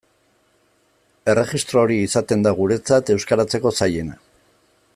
Erregistro hori izaten da guretzat euskaratzeko zailena.